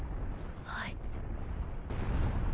はい。